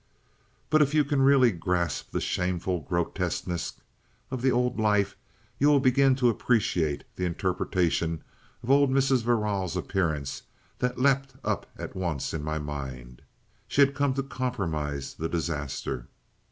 But if you can really grasp the shameful grotesqueness of the old life, you will begin to appreciate the interpretation of old Mrs. Verrall's appearance that leapt up at once in my mind. She had come to compromise the disaster!